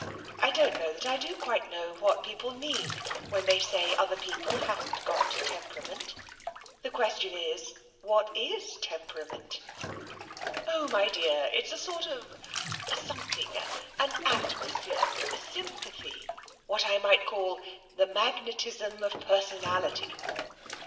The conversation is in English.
'I don't know that I do quite know what people mean when they say other people haven't got temperament. The question is what is temperament?' 'Oh, my dear, it's a sort of a something an atmosphere a sympathy. What I might call the magnetism of personality!'